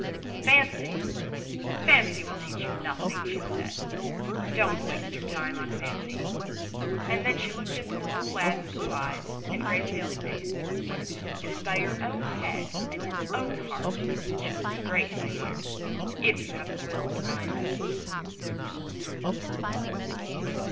"Fancy! Fancy will teach you nothing," she said. "Don't waste your time on Fancy;" and then she looked into the little lad's blue eyes and grave 118 ANYHOW STORIES. [STOEY pale face. " It is by your own head and your own heart that you will be great, my dear, if you have the will to mind them."